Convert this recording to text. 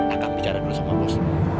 akan bicara dulu sama bos